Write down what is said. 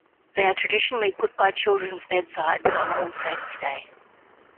They are traditionally put by children's bedsides on All Saints' Day.